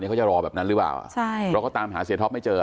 เขาจะรอแบบนั้นหรือเปล่าใช่เราก็ตามหาเสียท็อปไม่เจอ